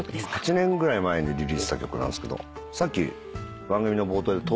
８年ぐらい前にリリースした曲なんですけどさっき番組の冒頭で灯台。